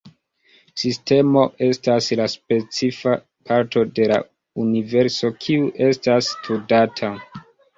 Sistemo estas la specifa parto de la universo kiu estas studata.